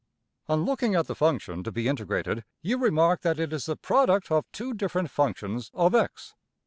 On looking at the function to be integrated, you remark that it is the product of two different functions of~$x$.